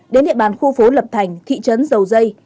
đến địa bàn khu phố lập thành thị trấn dầu dây